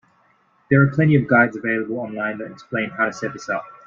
There are plenty of guides available online that explain how to set this up.